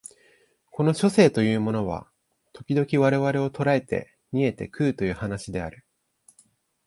この書生というのは時々我々を捕えて煮て食うという話である